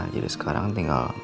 jadi sekarang tinggal